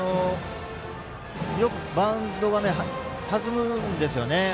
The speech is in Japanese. よくバウンドは弾むんですよね。